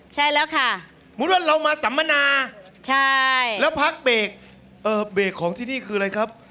ใช่แล้วค่ะลองมาสำมานาค์ปักเบกเอ่อเบกของที่นี่คืออะไรครับ